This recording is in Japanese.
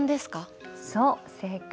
そう正解。